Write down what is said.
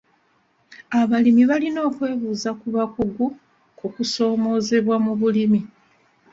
Abalimi balina okwebuuza ku bakugu ku kusoomoozebwa mu bulimi.